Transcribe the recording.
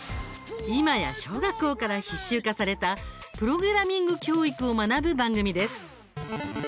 今や小学校から必修化されたプログラミング教育を学ぶ番組です。